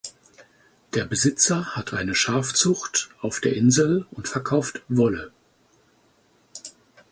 Der Besitzer hat eine Schafzucht auf der Insel und verkauft Wolle.